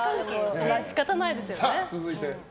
仕方ないですよね。